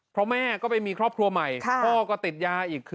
เพราะแม่ก็ไปมีครอบครัวใหม่พ่อก็ติดยาอีก